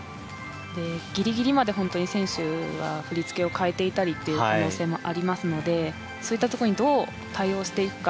ギリギリまで本当に選手は振り付けを変えていたりという可能性もありますのでそういったところにどう対応していくか。